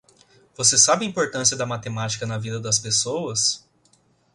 Você sabe a importância da matemática na vida das pessoas?